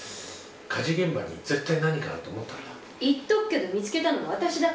火事現場に絶対何かあると思ったんだ。